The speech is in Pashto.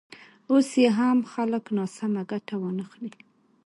اوس یې هم خلک ناسمه ګټه وانخلي.